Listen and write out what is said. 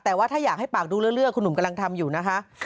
แต่ว่าถ้าอยากให้ปากดูเรื่อยคุณหนุ่มกำลังทำอยู่นะคะ